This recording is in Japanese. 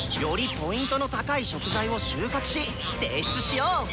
よりＰの高い食材を収穫し提出しよう！